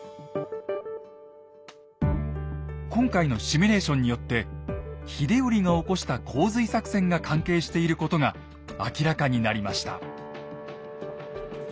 今回のシミュレーションによって秀頼が起こした洪水作戦が関係していることが明らかになりました。